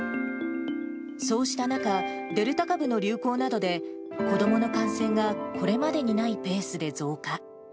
そうした中、デルタ株の流行などで、子どもの感染がこれまでにないペースで増加。